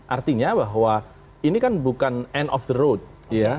artinya bahwa ini kan bukan end of the road ya